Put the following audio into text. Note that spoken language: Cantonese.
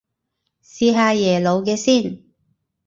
試下耶魯嘅先